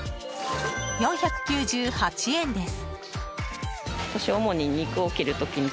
４９８円です。